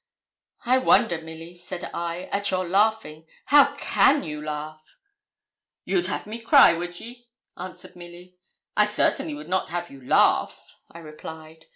'I wonder, Milly,' said I, 'at your laughing. How can you laugh?' 'You'd have me cry, would ye?' answered Milly. 'I certainly would not have you laugh,' I replied.